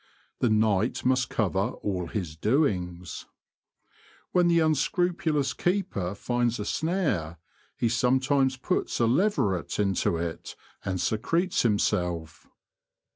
The night must cover all his doings. When the unscrupulous keeper finds a snare he some times puts a leveret into it, and secretes himself.